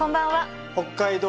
「北海道道」